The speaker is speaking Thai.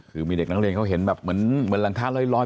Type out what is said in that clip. คือเด็กกลางเลี้ยงเขาเห็นแบบเหมือนรองทาเล้อย